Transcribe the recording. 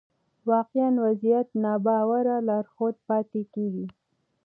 واقعي وضعيت ناباور لارښود پاتې کېږي.